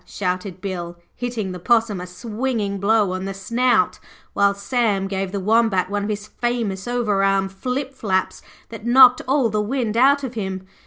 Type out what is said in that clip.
shouted Bill, hitting the Possum a swinging blow on the snout, while Sam gave the Wombat one of his famous over arm flip flaps that knocked all the wind out of him.